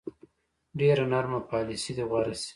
ډېره نرمه پالیسي دې غوره شي.